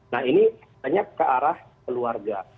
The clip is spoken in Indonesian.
nah ini hanya ke arah keluarga